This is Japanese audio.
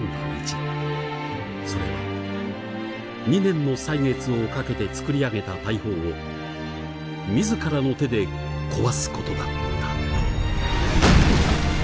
それは２年の歳月をかけて作り上げた大砲を自らの手で壊すことだった。